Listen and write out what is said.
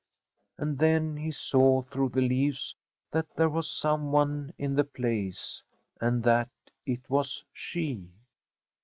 And then he saw through the leaves that there was some one in the place, and that it was she.